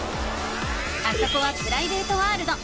あそこはプライベートワールド。